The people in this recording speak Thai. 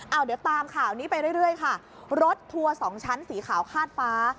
เอาเดี๋ยวตามข่าวนี้ไปเรื่อยค่ะรถทัวร์สองชั้นสีขาวคาดฟ้า